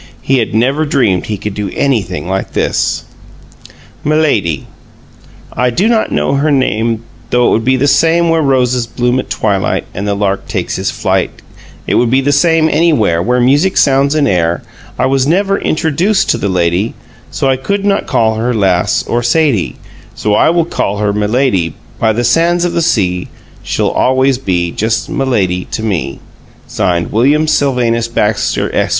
He had never dreamed that he could do anything like this. MILADY I do not know her name Though it would be the same Where roses bloom at twilight And the lark takes his flight It would be the same anywhere Where music sounds in air I was never introduced to the lady So I could not call her Lass or Sadie So I will call her Milady By the sands of the sea She always will be Just M'lady to me. WILLIAM SYLVANUS BAXTER, Esq.